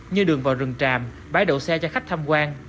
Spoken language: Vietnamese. như đường vào rừng tràm bái đậu xe cho khách tham quan